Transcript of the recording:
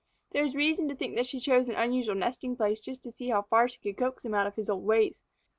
There is reason to think that she chose an unusual nesting place just to see how far she could coax him out of his old ways.